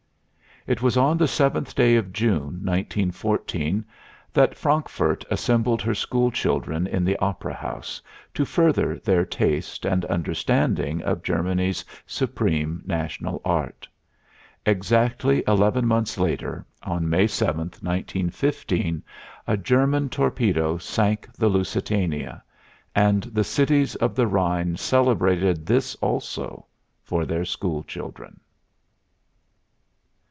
It was on the seventh day of June, 1914, that Frankfurt assembled her school children in the opera house, to further their taste and understanding of Germany's supreme national art. Exactly eleven months later, on May 7, 1915, a German torpedo sank the Lusitania; and the cities of the Rhine celebrated this also for their school children.